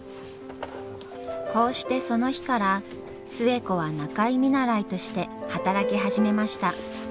こうしてその日から寿恵子は仲居見習いとして働き始めました。